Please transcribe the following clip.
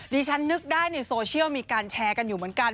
ดิฉันนึกได้ในโซเชียลมีการแชร์กันอยู่เหมือนกัน